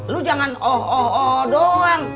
lo jangan oh oh oh doang